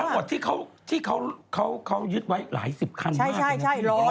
แต่ทั้งหมดที่เขายึดไว้หลายสิบคันมาก